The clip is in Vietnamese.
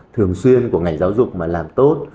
thường xuyên của ngành giáo dục mà làm tốt